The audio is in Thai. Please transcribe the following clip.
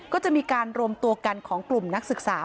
ก็จะมีการรวมตัวกันของกลุ่มนักศึกษา